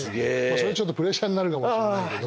それはちょっとプレッシャーになるかもしんないけど。